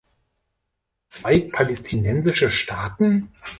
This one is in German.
Zwei palästinensische Staaten?